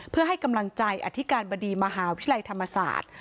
เพื่อให้กำลังใจอธิการบดีมหาวิทยาลัยธรรมศาสตร์